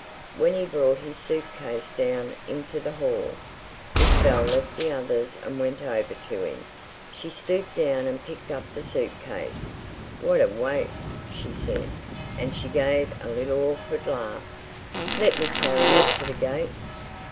When he brought his suit case down into the hall, Isabel left the others and went over to him. She stooped down and picked up the suit case. "What a weight!" she said, and she gave a little awkward laugh. "Let me carry it! To the gate."